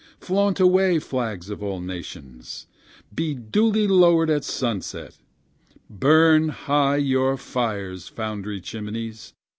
Flaunt away, flags of all nations! be duly lowered at sunset; Burn high your fires, foundry chimneys!